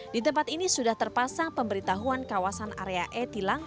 di tempat ini sudah terpasang pemberitahuan kawasan area e tilang